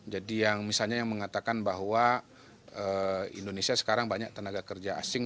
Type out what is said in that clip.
jadi yang misalnya mengatakan bahwa indonesia sekarang banyak tenaga kerja asing